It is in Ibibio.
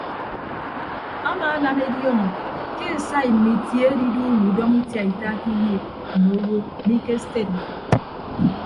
Amaanam ediọọñọ ke esai mme itie adiduuñọ udọñọ itiaita ke iyiip mme owo mi ke sted nnyịn.